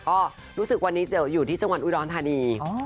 ก็รู้สึกวันนี้เจออยู่ที่จังหวัดอุดรธานี